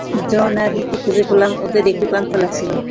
জন আর রিককে খুঁজে পেলাম, ওদের একটু ক্লান্ত লাগছিলো।